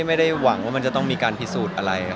ไม่ได้หวังว่ามันจะต้องมีการพิสูจน์อะไร